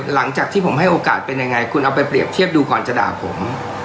หลังจากที่ผมให้โอกาสเป็นยังไงคุณเอาไปเปรียบเทียบดูก่อนจะด่าผม